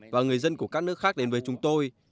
và người dân của các nước khác đến với chúng tôi